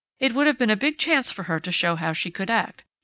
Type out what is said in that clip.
It would have been a big chance for her to show how she could act....